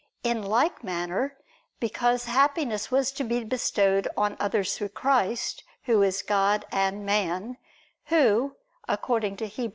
In like manner, because Happiness was to be bestowed on others through Christ, who is God and Man, "Who," according to Heb.